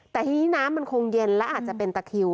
แต่ทีนี้น้ำมันคงเย็นและอาจจะเป็นตะคิว